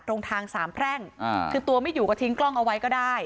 ตรงทางสามแพร่งคือตัวไม่อยู่ก็ทิ้งกล้องเอาไว้ก็ได้